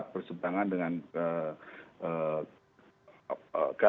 bersebrangan dengan garis penguasa gitu ya